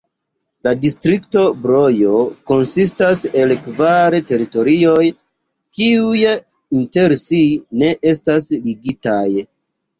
La distrikto Brojo konsistas el kvar teritorioj, kiuj inter si ne estas ligitaj.